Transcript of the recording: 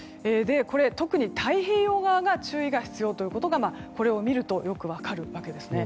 特に太平洋側が注意が必要ということがこれを見るとよく分かるわけですね。